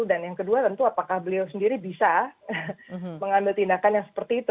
dan yang kedua tentu apakah beliau sendiri bisa mengambil tindakan yang seperti itu